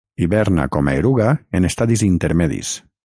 Hiberna com a eruga en estadis intermedis.